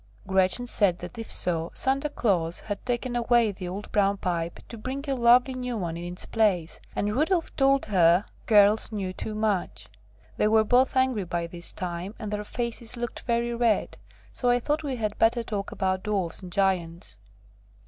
Gretchen said that if so, Santa Claus had taken away the old brown pipe to bring a lovely new one in its place, and Rudolf told her girls knew too much. They were both angry by this time, and their faces looked very red. So I thought we had better talk about Dwarfs and Giants.